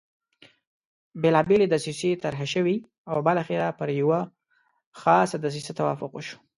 بېلابېلې دسیسې طرح شوې او بالاخره پر یوه خاصه دسیسه توافق وشو.